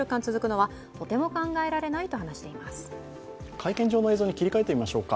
会見場の映像に切り替えてみましょうか。